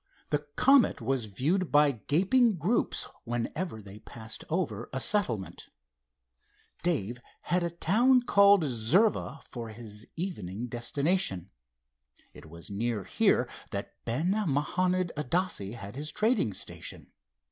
The Comet was viewed by gaping groups whenever they passed over a settlement. Dave had a town called Zirva for his evening destination. It was near here that Ben Mahanond Adasse had his trading station.